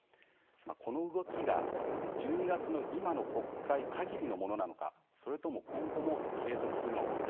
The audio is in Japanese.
この動きが１２月までの今の国会限りのものなのかそれとも今後も継続するのか。